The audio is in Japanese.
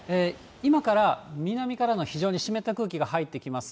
今から南からの非常に湿った空気が入ってきます。